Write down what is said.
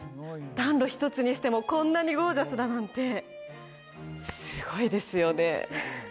暖炉一つにしてもこんなにゴージャスだなんてすごいですよね